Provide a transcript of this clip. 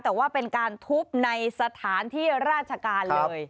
แต่ว่าเป็นการทุบในสถานที่ราชการเลย